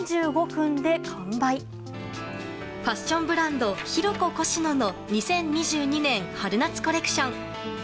ファッションブランドヒロココシノの２０２２年春夏コレクション。